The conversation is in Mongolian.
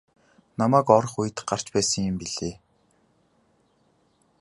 Намайг орох үед гарч байсан юм билээ.